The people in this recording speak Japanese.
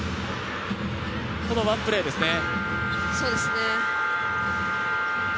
このワンプレーですね。